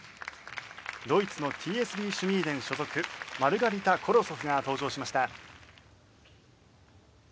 ドイツのＴＳＶシュミーデン所属マルガリタ・コロソフが登場しました。